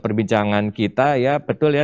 perbincangan kita ya betul ya